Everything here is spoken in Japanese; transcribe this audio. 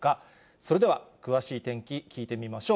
それでは詳しい天気、聞いてみましょう。